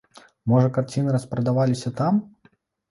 Можа, карціны распрадаваліся там?